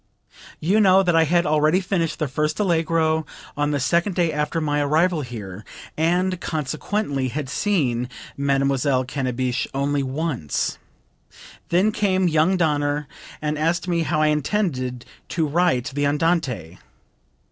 14. "You know that I had already finished the first Allegro on the second day after my arrival here, and consequently had seen Mademoiselle Cannabich only once. Then came young Danner and asked me how I intended to write the Andante.